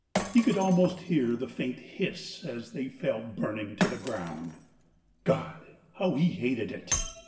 He could almost hear the faint hiss as they fell burning to the ground. God ! how he hated it